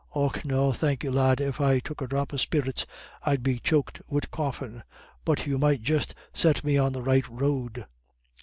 Och no, thank you, lad, if I took a dhrop of spirits, I'd be choked wid coughin'. But you might just set me on the right road."